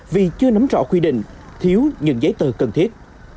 vì chưa nắm rõ quy định thiếu những giấy tờ cần thiết